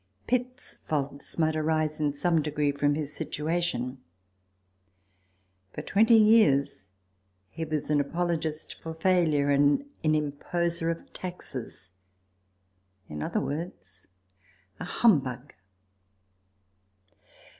Pitt's faults might arise in some degree from his situation. For twenty years he was an apologist for failure, and an imposer of taxes : in other words a humbug.